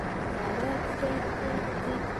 Only the valedictorian is ranked higher.